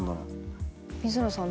水野さん